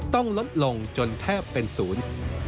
ต้องลดลงจนแทบเป็นศูนย์